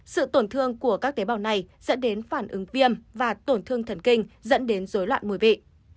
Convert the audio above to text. sự tổn thương của các tế bào này dẫn đến phản ứng viêm và tổn thương thần kinh dẫn đến dối loạn mùi vị